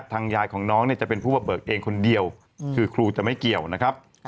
ทางยายของน้องเนี่ยจะเป็นผู้มาเบิกเองคนเดียวคือครูจะไม่เกี่ยวนะครับ